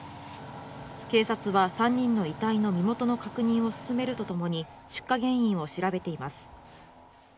警察は３人の遺体の身元の確認を進めるとともに出火原因を調べています。